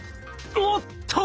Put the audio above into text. おっと！